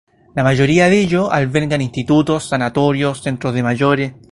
La mayoría de ellos albergan institutos, sanatorios, centros de mayores.